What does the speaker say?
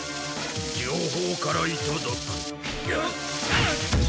両方からいただく。